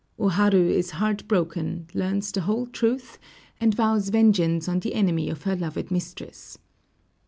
O Haru is heart broken, learns the whole truth, and vows vengeance on the enemy of her loved mistress.